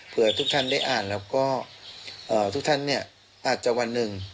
เพื่อทุกท่านได้อ่านแล้วก็ทุกท่านเนี่ยอาจจะวันหนึ่ง